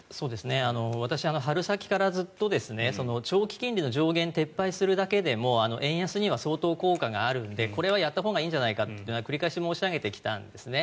私、春先からずっと長期金利の上限を撤廃するだけでも円安には相当効果があるのでこれはやったほうがいいんじゃないかと繰り返し申し上げてきたんですね。